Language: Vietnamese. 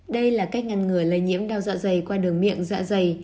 đây là cách ngăn ngừa lây nhiễm đau dọa dày qua đường miệng dọa dày